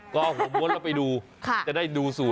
ก็หัวม้วนแล้วไปดูจะได้ดูสูตร